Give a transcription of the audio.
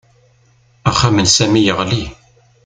Axxam n Sami yeɣli